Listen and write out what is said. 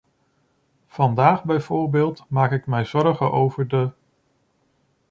Vandaag bijvoorbeeld maak ik mij zorgen over de ...